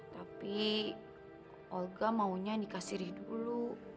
tapi olga maunya nikah siri dulu